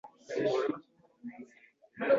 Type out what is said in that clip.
Ana shunday olis hududga borib qolib ketgan o‘zbeklar